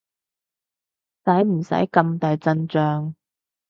使唔使咁大陣仗？